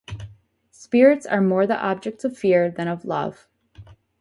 Spirits are more the objects of fear than of love.